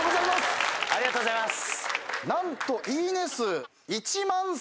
ありがとうございます。